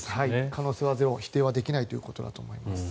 可能性は否定できないということだと思います。